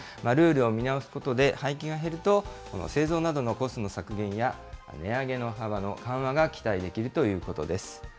ルールを見直すことで、廃棄が減ると、製造などのコストの削減や値上げの幅の緩和が期待できるということです。